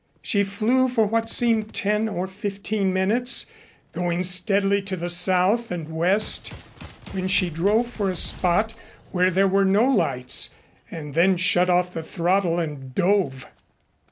She flew for what seemed ten or fifteen minutes, going steadily to the south and west, when she drove for a spot where there were no lights and then shut off the throttle and dove.